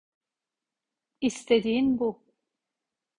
İstediğin bu.